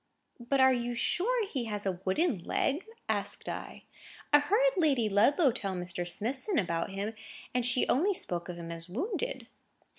"But are you sure he has a wooden leg?" asked I. "I heard Lady Ludlow tell Mr. Smithson about him, and she only spoke of him as wounded."